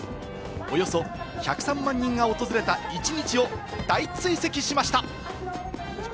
およそ１０３万人が訪れた一日を大追跡しました。